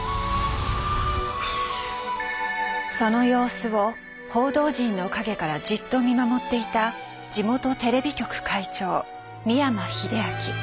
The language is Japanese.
その様子を報道陣の陰からじっと見守っていた地元テレビ局会長三山秀昭。